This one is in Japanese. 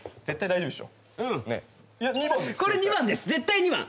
絶対これ２番です絶対